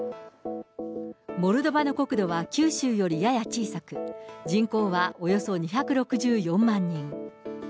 モルドバの国土は九州よりやや小さく、人口はおよそ２６４万人。